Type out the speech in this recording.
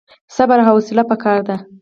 صبر او حوصله پکار ده